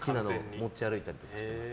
持ち歩いたりしてます。